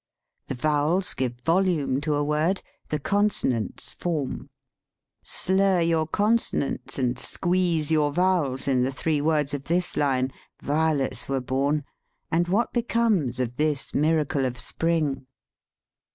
The vowels give volume to a word, the consonants form. Slur your consonants and squeeze your vowels in the three words of this line, "Vio lets were born," and what becomes of this miracle of spring